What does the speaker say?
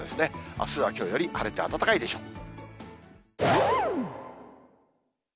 あすはきょうより晴れて暖かいでしょう。